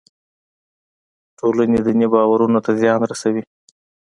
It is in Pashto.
ټولنې دیني باورونو ته زیان رسوي.